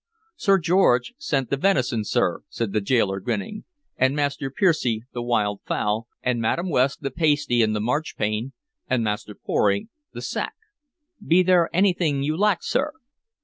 "Sir George sent the venison, sir," said the gaoler, grinning, "and Master Piersey the wild fowl, and Madam West the pasty and the marchpane, and Master Pory the sack. Be there anything you lack, sir?"